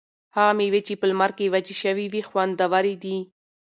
هغه مېوې چې په لمر کې وچې شوي وي خوندورې دي.